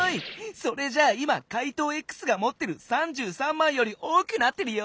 それじゃあ今怪盗Ｘがもってる３３まいより多くなってるよ！